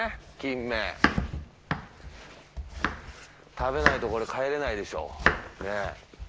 食べないとこれ帰れないでしょ。